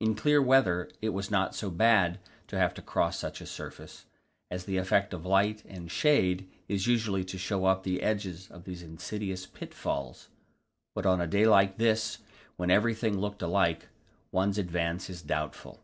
In clear weather it is not so bad to have to cross such a surface, as the effect of light and shade is usually to show up the edges of these insidious pitfalls, but on a day like this, when everything looked alike, one's advance is doubtful.